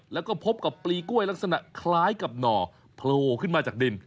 แล้วก็พบกับปลีกล้วยลักษณะคล้ายกับหน่อโผล่ขึ้นมาจากดิน